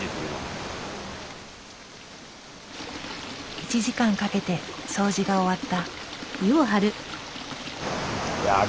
１時間かけて掃除が終わった。